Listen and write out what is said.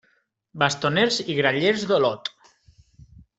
Bastoners i Grallers d'Olot.